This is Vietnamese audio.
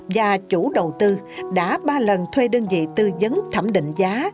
và chủ đầu tư đã ba lần thuê đơn vị tư dấn thẩm định giá